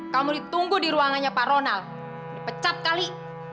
kamu ditunggu di ruangannya pak ronald dipecat kali